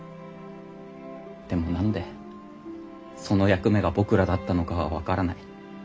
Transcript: でも何でその役目が僕らだったのかは分からない。